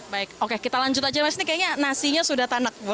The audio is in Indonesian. baik oke kita lanjut aja mas ini kayaknya nasinya sudah tanak bu